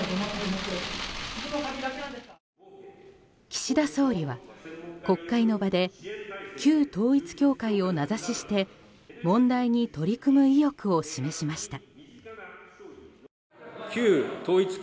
岸田総理は国会の場で旧統一教会を名指しして問題に取り組む意欲を示しました。